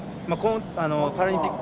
パラリンピック